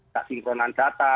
tak sinkronan data